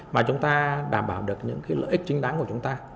mà chúng ta đảm bảo được những lợi ích chính đáng của chúng ta